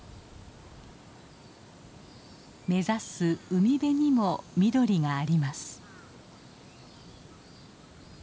目指す海辺にも緑があります。